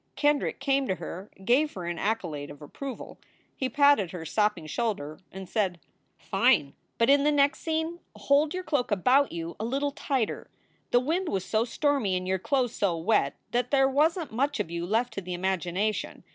Kendrick came to her and gave her an accolade of approval. He patted her sopping shoulder and said: " Fine ! But in the next scene hold your cloak about you a little tighter. The wind was so stormy and your clothes so wet that there wasn t much of you left to the imagination.